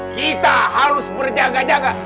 kita harus berjaga jaga